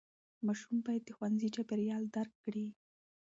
ماشوم باید د ښوونځي چاپېریال درک کړي.